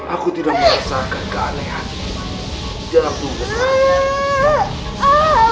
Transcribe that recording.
aku tidak merasakan keanehan di dalam tubuh